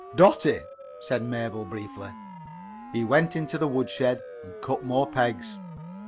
"Dotty," said Mabel, briefly. He went out into the woodshed and cut more pegs.